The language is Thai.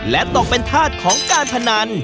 และตกเป็นธาตุของการพนัน